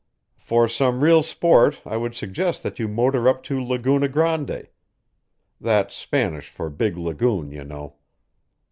"For some real sport I would suggest that you motor up to Laguna Grande. That's Spanish for Big Lagoon, you know.